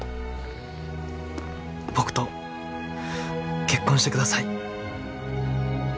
僕と結婚してください。